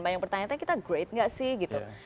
banyak pertanyaan kita great gak sih gitu